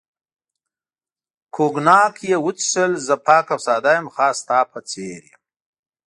کوګناک یې وڅښل، زه پاک او ساده یم، خاص ستا په څېر یم.